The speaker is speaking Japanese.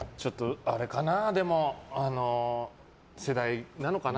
あれかな、世代なのかな。